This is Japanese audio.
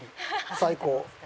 最高。